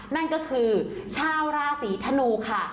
นั่นก็คือชาวราศีธนูค่ะ